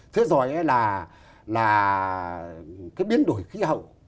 thế rồi là cái biến đổi khí hậu